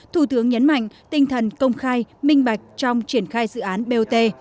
thủ tướng nhấn mạnh tinh thần công khai minh bạch trong triển khai dự án bot